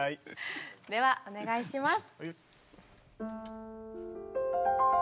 ではお願いします。